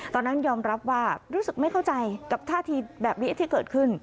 ตอนนั้นยอมรับว่ารู้สึกไม่เข้าใจกับท่าทีแบบนี้ที่เกิดขึ้น